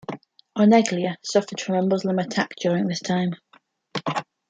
Oneglia suffered from a Muslim attack during this time.